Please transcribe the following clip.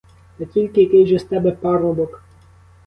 Та тільки який же з тебе парубок!